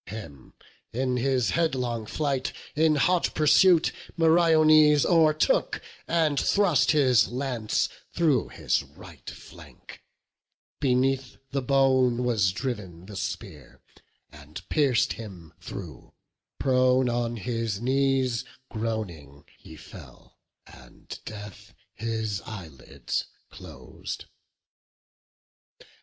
Him, in his headlong flight, in hot pursuit Meriones o'ertook, and thrust his lance Through his right flank; beneath the bone was driv'n The spear, and pierc'd him through: prone on his knees, Groaning, he fell, and death his eyelids clos'd.